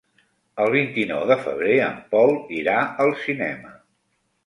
El vint-i-nou de febrer en Pol irà al cinema.